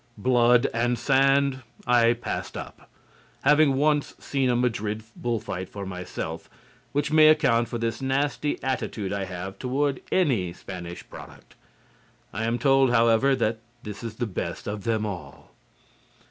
"Blood and Sand" I passed up, having once seen a Madrid bull fight for myself, which may account for this nasty attitude I have toward any Spanish product. I am told, however, that this is the best of them all.